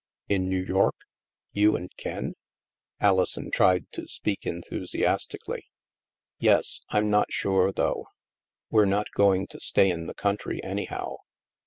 " In New York? You and Ken? " Alison tried to speak enthusiastically. " Yes. I'm not sure, though. We're not going to stay in the country, anyhow.